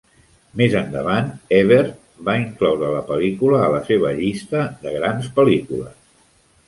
Més endavant, Ebert va incloure la pel·lícula a la seva llista de "Grans pel·lícules".